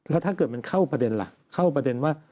แล้วถ้าเกิดมันเข้าประเด็นล่ะเข้าประเด็นว่า